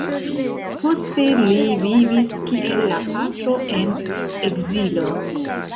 Poste li vivis, kiel la patro, en ekzilo.